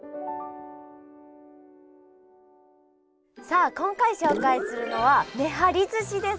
さあ今回紹介するのはめはりずしです。